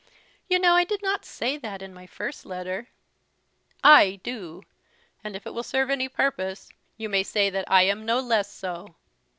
"You know I did not say that in my first letter." "Ay, do; and, if it will serve any purpose, you may say that I am no less so."